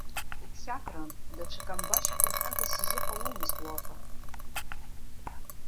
Иԥхьакран, даҽа камбашьк ԥырхагас изыҟаломызт уаҟа.